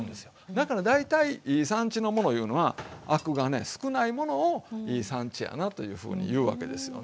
だから大体いい産地のものいうのはアクがね少ないものをいい産地やなというふうに言うわけですよね。